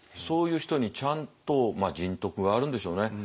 そういう人にちゃんとまあ人徳があるんでしょうね。